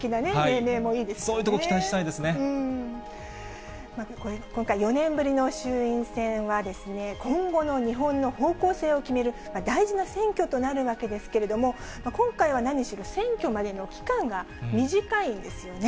そういうところ期待したいで今回、４年ぶりの衆院選は、今後の日本の方向性を決める大事な選挙となるわけですけれども、今回は何しろ選挙までの期間が短いんですよね。